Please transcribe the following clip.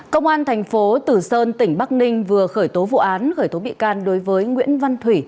công an thành phố tử sơn tỉnh bắc ninh vừa khởi tố vụ án khởi tố bị can đối với nguyễn văn thủy